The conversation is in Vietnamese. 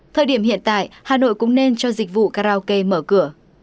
thời điểm hiện tại hà nội cũng nên cho dịch vụ karaoke mở cửa